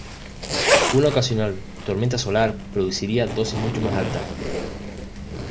Una ocasional tormenta solar produciría dosis mucho más altas.